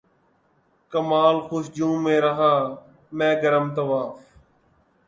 کمال جوش جنوں میں رہا میں گرم طواف